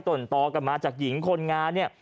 ่นต่อกันมาจากหญิงคนงานเนี่ย